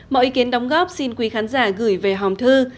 mọi ý kiến đóng góp xin quý khán giả gửi về hòm thư